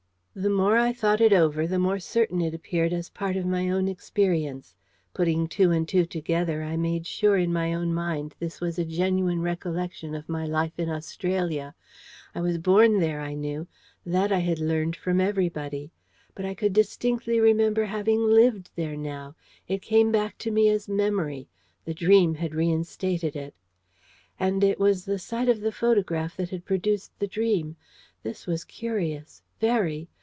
The more I thought it over, the more certain it appeared as part of my own experience. Putting two and two together, I made sure in my own mind this was a genuine recollection of my life in Australia. I was born there, I knew: that I had learned from everybody. But I could distinctly remember having LIVED there now. It came back to me as memory. The dream had reinstated it. And it was the sight of the photograph that had produced the dream. This was curious, very.